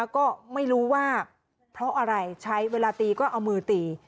ก็ไม่รู้ว่าเพราะอะไรใช้เวลาตีก็เอามือตี